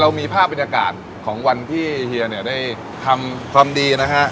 มีภาพบรรยากาศของวันที่เฮียเนี่ยได้ทำความดีนะฮะ